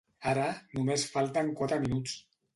Ara només falten quatre minuts.